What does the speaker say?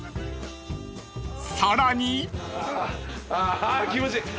［さらに］